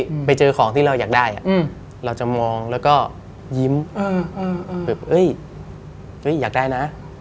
อืมไปเจอของที่เราอยากได้อ่ะอืมเราจะมองแล้วก็ยิ้มเออเอออยากได้นะ